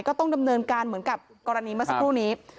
ก็ต้องดำเนินการเหมือนกับกรณีเมื่อสักครู่นี้